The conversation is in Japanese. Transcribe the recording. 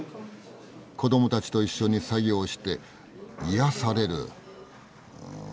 子どもたちと一緒に作業して癒やされるうん